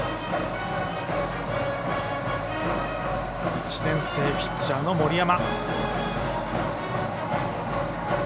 １年生ピッチャーの森山。